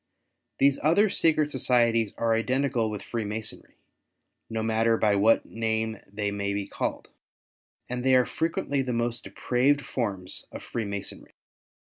These other secret societies are identical with Freemasonry, no matter by what name they may be called ; and they are frequently the most depraved forms of Freemasonry.